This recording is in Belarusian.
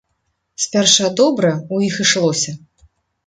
Спярша добра ў іх ішлося.